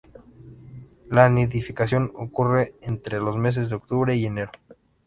La nidificación ocurre entre los meses de octubre y enero.